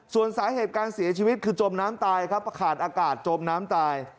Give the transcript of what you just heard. ส่วนสาเหตุการเสียชีวิตคือจมน้ำตายครับขาดอากาศจมน้ำตาย